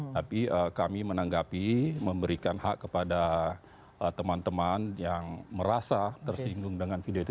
tapi kami menanggapi memberikan hak kepada teman teman yang merasa tersinggung dengan video itu